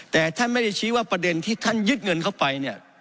แต่ท่านไม่ได้ชี้ว่าประเด็นที่ท่านยึดเงินเข้าไปเนี่ย